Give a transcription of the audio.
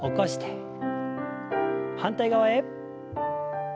反対側へ。